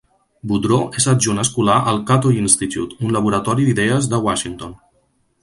Boudreaux és adjunt escolar al Cato Institute, un laboratori d'idees de Washington.